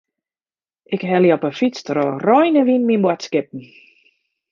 Ik helle op 'e fyts troch rein en wyn myn boadskippen.